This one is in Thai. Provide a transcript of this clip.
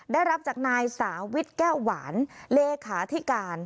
ได้รับจากนายสาวิทแก้วหวานเลขาธิการ